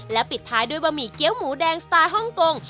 ปิดท้ายด้วยบะหมี่เกี้ยวหมูแดงสไตล์ฮ่องกง